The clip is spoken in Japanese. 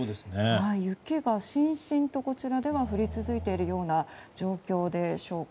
雪がしんしんと降り続いているような状況でしょうか。